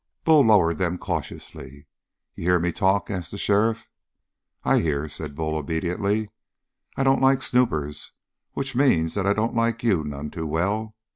Bull lowered them cautiously. "You hear me talk?" asked the sheriff. "I hear," said Bull obediently. "I don't like snoopers. Which means that I don't like you none too well.